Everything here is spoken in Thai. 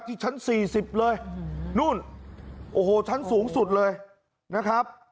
ที่ชั้น๔๐เลยนู่นโอ้โหชั้นสูงสุดเลยนะครับ